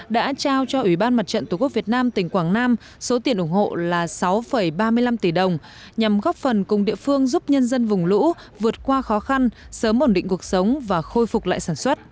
đã trao cho ủy ban mặt trận tổ quốc việt nam tỉnh quảng nam số tiền ủng hộ là sáu ba mươi năm tỷ đồng nhằm góp phần cùng địa phương giúp nhân dân vùng lũ vượt qua khó khăn sớm ổn định cuộc sống và khôi phục lại sản xuất